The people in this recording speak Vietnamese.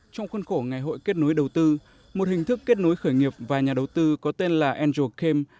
trong khuôn khổ ngày hội kết nối đầu tư một hình thức kết nối khởi nghiệp và nhà đầu tư có tên là andro camp